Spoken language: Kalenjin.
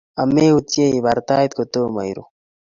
Ameutiee ibar tait kotomo iruu